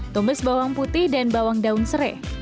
tumis bawang putih dan bawang daun serai